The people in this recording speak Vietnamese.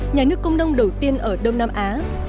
nhà nước công đông đầu tiên ở đông nam á